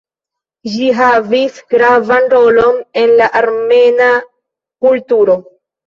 Ĝi havis gravan rolon en la armena kulturo.